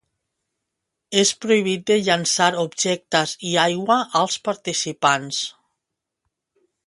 És prohibit de llançar objectes i aigua als participants.